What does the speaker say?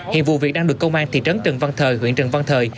hiện vụ việc đang được công an thị trấn trần văn thời huyện trần văn thời